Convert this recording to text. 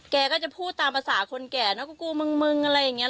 แกก็จะพูดตามภาษาคนแก่นะกูมึงมึงอะไรอย่างนี้